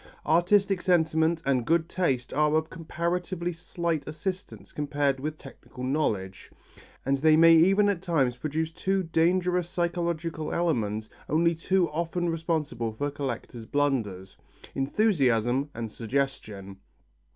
Artistic sentiment and good taste are of comparatively slight assistance compared with technical knowledge, and they may even at times produce two dangerous psychological elements only too often responsible for collectors' blunders: enthusiasm and suggestion.